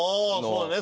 そうね。